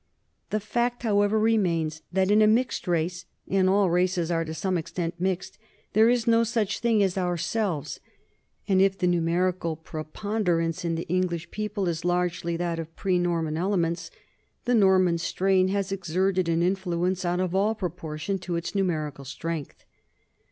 The fact, however, remains that in a mixed race and all races are to some extent mixed there is no such thing as 'ourselves'; and if the numerical preponderance in the English people is largely that of pre Norman ele ments, the Norman strain has exerted an influence out of all proportion to its numerical strength.